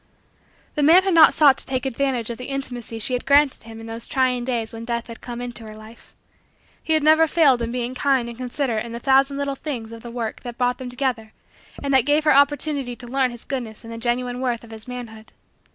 The man had not sought to take advantage of the intimacy she had granted him in those trying days when Death had come into her life. He had never failed in being kind and considerate in the thousand little things of the work that brought them together and that gave her opportunity to learn his goodness and the genuine worth of his manhood.